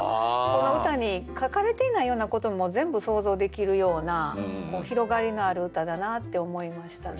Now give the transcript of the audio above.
この歌に書かれていないようなことも全部想像できるような広がりのある歌だなって思いましたね。